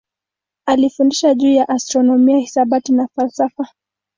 Alifundisha juu ya astronomia, hisabati na falsafa.